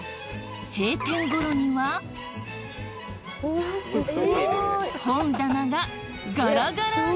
閉店ごろには本棚がガラガラに！